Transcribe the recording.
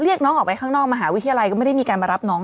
เรียกน้องออกไปข้างนอกมหาวิทยาลัยก็ไม่ได้มีการมารับน้อง